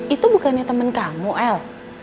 itu bukannya temen kamu el